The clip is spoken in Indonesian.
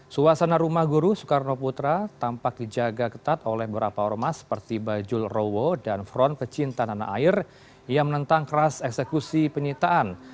suasana rumah guru soekarno putra tampak dijaga ketat oleh beberapa ormas seperti bajul rowo dan front pecinta tanah air yang menentang keras eksekusi penyitaan